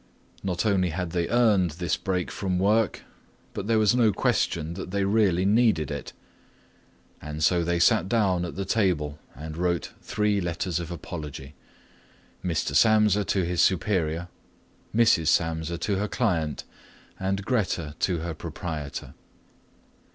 Not only had they earned this break from work, but there was no question that they really needed it. And so they sat down at the table and wrote three letters of apology: Mr. Samsa to his supervisor, Mrs. Samsa to her client, and Grete to her proprietor.